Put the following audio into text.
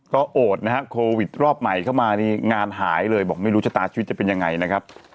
ก็โอดนะฮะโควิดรอบใหม่เข้ามานี่งานหายเลยบอกไม่รู้ชะตาชีวิตจะเป็นยังไงนะครับ